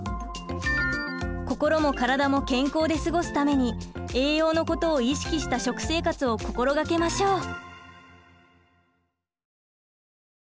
心もからだも健康で過ごすために栄養のことを意識した食生活を心掛けましょう。